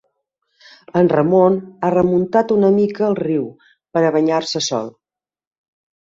En Ramon ha remuntat una mica el riu per a banyar-se sol.